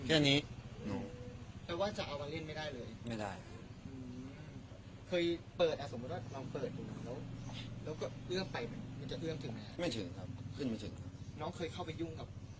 น้องเคยเข้ายุ่งกับหนุพวกนี้บ้าง